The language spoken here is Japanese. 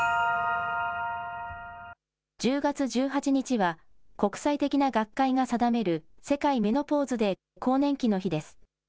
１０月１８日は、国際的な学会が定める世界メノポーズデー・更年期の日です。